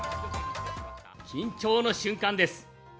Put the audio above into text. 緊張の瞬間です。